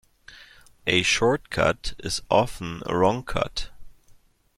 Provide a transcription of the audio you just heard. A short cut is often a wrong cut.